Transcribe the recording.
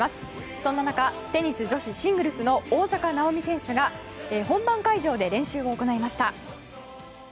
そんな中、テニス女子シングルス大坂なおみ選手が本番会場で練習を行いました。